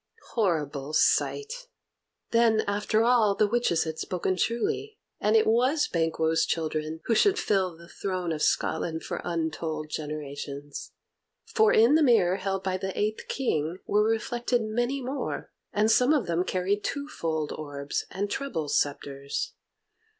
Horrible sight! Then, after all, the witches had spoken truly, and it was Banquo's children who should fill the throne of Scotland for untold generations. For in the mirror held by the eighth King were reflected many more, and some of them carried twofold orbs and treble sceptres.